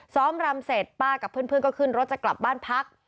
รำเสร็จป้ากับเพื่อนก็ขึ้นรถจะกลับบ้านพัก